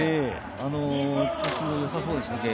調子がよさそうです。